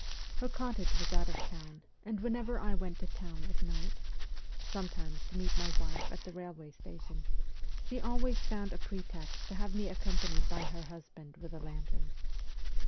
Her cottage was out of town, and whenever I went to town at night sometimes to meet my wife at the railway station she always found a pretext to have me accompanied by her husband with a lantern.